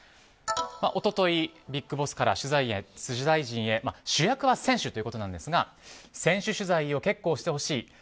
一昨日、ビッグボスから取材陣へ主役は選手ということなんですが選手取材を結構してほしい。